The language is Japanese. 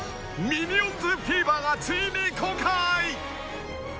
［『ミニオンズフィーバー』がついに公開！］